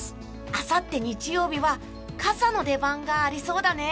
あさって日曜日は傘の出番がありそうだね。